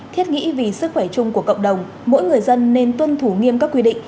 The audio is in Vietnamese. thiết nghĩ vì sức khỏe chung của cộng đồng mỗi người dân nên tuân thủ nghiêm các quy định